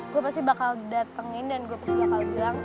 gue pasti bakal datengin dan gue pasti bakal bilang